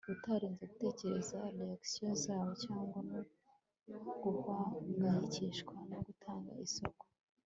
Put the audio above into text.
utarinze gutegereza reaction zabo cyangwa no guhangayikishwa no gutanga isoko